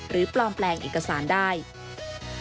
ปลอมแปลงเอกสารได้